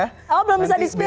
oh belum bisa di spill